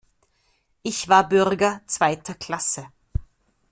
Ich war Bürger zweiter Klasse.